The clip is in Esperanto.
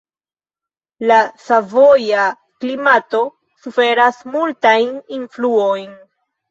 La savoja klimato suferas multajn influojn.